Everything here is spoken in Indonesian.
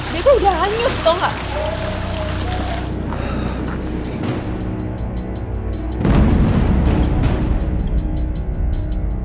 dia kan udah hanyut tau gak